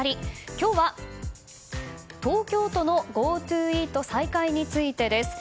今日は東京都のＧｏＴｏイート再開についてです。